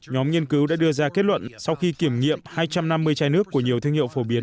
nhóm nghiên cứu đã đưa ra kết luận sau khi kiểm nghiệm hai trăm năm mươi chai nước của nhiều thương hiệu phổ biến